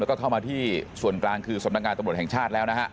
แล้วก็เข้ามาที่ส่วนกลางคือสำนักงานตำรวจแห่งชาติแล้วนะฮะ